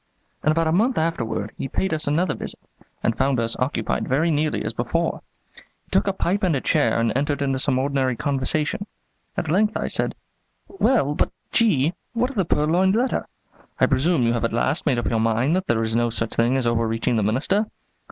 In about a month afterward he paid us another visit, and found us occupied very nearly as before. He took a pipe and a chair and entered into some ordinary conversation. At length I said: "Well, but, G , what of the purloined letter? I presume you have at last made up your mind that there is no such thing as overreaching the Minister?"